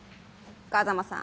風真さん。